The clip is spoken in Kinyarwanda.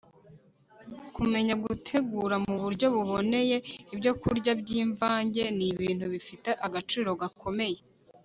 kumenya gutegura mu buryo buboneye ibyokurya by'imvange ni ibintu bifite agaciro gakomeye